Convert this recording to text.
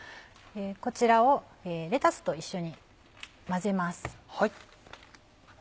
こちらをレタスと一緒に混ぜます。